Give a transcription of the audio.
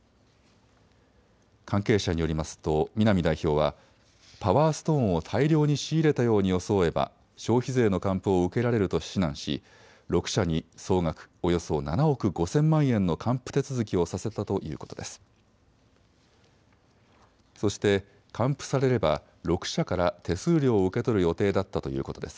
関係者によりますと南代表は、パワーストーンを大量に仕入れたように装えば消費税の還付を受けられると指南し、６社に総額およそ７億５０００万円の還付手続きをさせたということです。